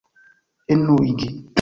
enuigi